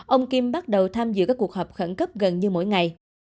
ông kim bắt đầu tham dự các cuộc họp khẩn cấp gần như mỗi ngày